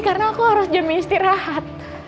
karena aku harus jamin istirahat